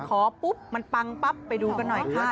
ขอปุ๊บมันปังปั๊บไปดูกันหน่อยค่ะ